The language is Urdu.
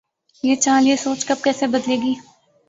یہ چال، یہ سوچ کب‘ کیسے بدلے گی؟